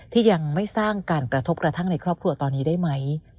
ที่ยังไม่สร้างการกระทบกระทั่งในครอบครัวตอนนี้ได้ไหม